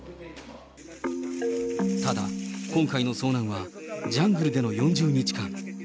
ただ、今回の遭難はジャングルでの４０日間。